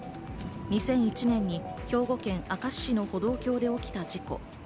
２００１年に兵庫県明石市の歩道橋で起きた事故。